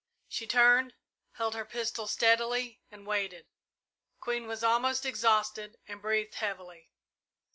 She turned, held her pistol steadily, and waited. Queen was almost exhausted and breathed heavily.